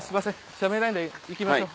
しゃべらないで行きましょう。